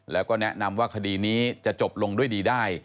แล้วก็แนะนำว่าคดีนี้จะจบลงด้วยดีได้